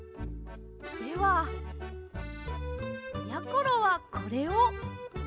ではやころはこれを。